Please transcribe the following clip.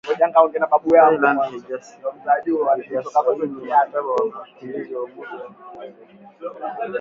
Thailand haijasaini Mkataba wa Wakimbizi wa Umoja wa Mataifa